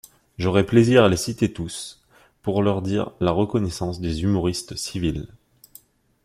J'aurais plaisir à les citer tous pour leur dire la reconnaissance des humoristes civils.